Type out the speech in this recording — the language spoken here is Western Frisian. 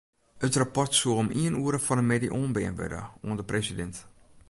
It rapport soe om ien oere fan 'e middei oanbean wurde oan de presidint.